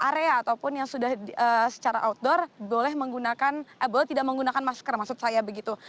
area ataupun yang sudah secara outdoor boleh menggunakan boleh tidak menggunakan masker maksud saya begitu